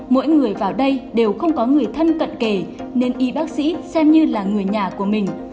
mỗi người vào đây đều không có người thân cận kề nên y bác sĩ xem như là người nhà của mình